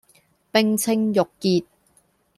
冰清玉潔